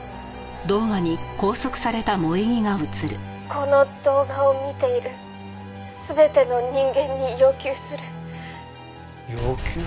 「この動画を見ている全ての人間に要求する」要求？